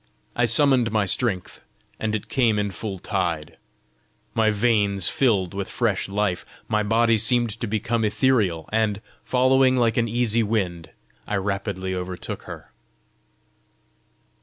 I summoned my strength, and it came in full tide. My veins filled with fresh life! My body seemed to become ethereal, and, following like an easy wind, I rapidly overtook her.